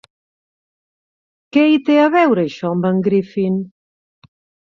Què hi té a veure això amb en Griffin?